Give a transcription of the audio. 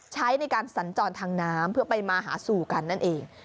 ใช้ในการสัญจรทางน้ำเพื่อไปมาหาสู่กันนั่นเอง